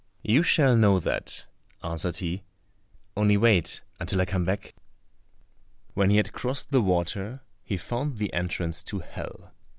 "You shall know that," answered he; "only wait until I come back." When he had crossed the water he found the entrance to Hell.